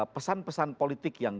pesan pesan politik yang